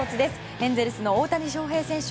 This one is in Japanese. エンゼルスの大谷翔平選手